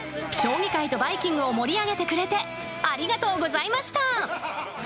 将棋界と「バイキング」を盛り上げてくれてありがとうございました。